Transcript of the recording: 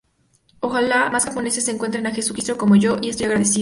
Ojalá más japoneses encuentren a Jesucristo como yo, y estoy agradecido.